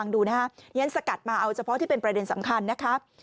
อย่างนั้นสกัดมาเอาเฉพาะที่เป็นประเด็นสำคัญนะครับ